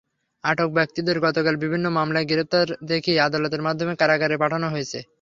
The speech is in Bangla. আটক ব্যক্তিদের গতকাল বিভিন্ন মামলায় গ্রেপ্তার দেখিয়ে আদালতের মাধ্যমে কারাগারে পাঠানো হয়।